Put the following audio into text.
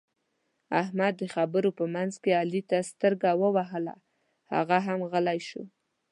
احمد د خبرو په منځ کې علي ته سترګه ووهله؛ هغه هم غلی شو.